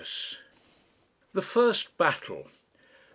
THE FIRST BATTLE.